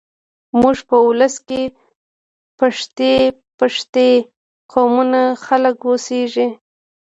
زموږ په ولس کې پښتۍ پښتۍ قومونه خلک اوسېږيږ